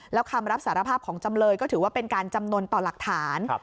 แล้วคำรับสารภาพของจำเลยก็ถือว่าเป็นการจำนวนต่อหลักฐาน